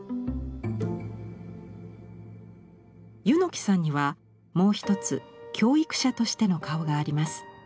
柚木さんにはもう一つ教育者としての顔があります。